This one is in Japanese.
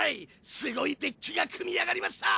すごいデッキが組み上がりました！